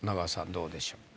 どうでしょう？